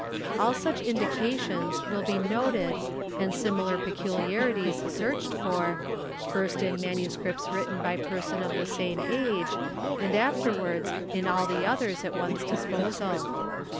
All such indication will be noted and similar peculiarities searched for, first in manuscripts written by persons of the same age and afterwards in all the others a one's disposal.